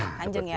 iya seperti itu